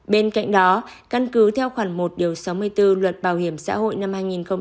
bên cạnh đó căn cứ theo khoản một sáu mươi bốn luật bảo hiểm xã hội năm hai nghìn một mươi bốn